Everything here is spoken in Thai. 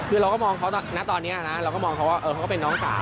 คือเราก็มองเขาณตอนนี้นะเราก็มองเขาว่าเขาก็เป็นน้องสาว